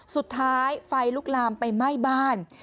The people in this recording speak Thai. สุดท้ายไฟลุกลามไปไหม้บ้าน